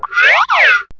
perubahan bentuk ustad